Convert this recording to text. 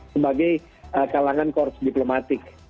sebagai kalangan kursus diplomatik